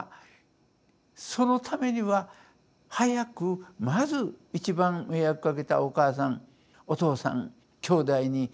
そのためには早くまず一番迷惑かけたお母さんお父さん兄弟に謝りたい。